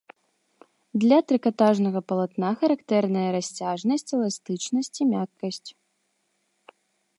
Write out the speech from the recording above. Для трыкатажнага палатна характэрныя расцяжнасць, эластычнасць і мяккасць.